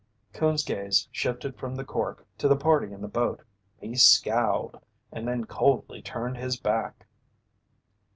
Coon's gaze shifted from the cork to the party in the boat. He scowled and then coldly turned his back.